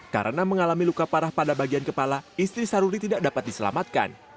karena mengalami luka parah pada bagian kepala istri saruli tidak dapat diselamatkan